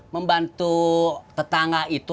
membantu tetangga itu